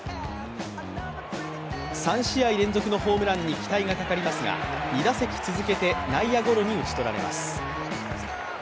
３試合連続のホームランに期待がかかりますが２打席続けて内野ゴロに打ち取られます。